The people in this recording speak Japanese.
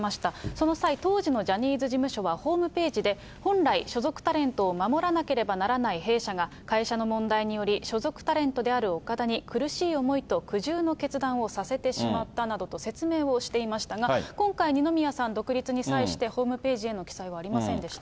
その際、当時のジャニーズ事務所はホームページで、本来、所属タレントを守らなければならない弊社が、会社の問題により、所属タレントである岡田に苦しい思いと苦渋の決断をさせてしまったなどと説明をしていましたが、今回、二宮さん独立に際して、ホームページへの記載はありませんでした。